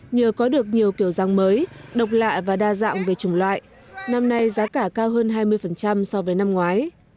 nhờ có được nhiều kiểu dáng mới độc lạ và đa dạng về chủng loại năm nay giá cả cao hơn hai mươi so với năm ngoái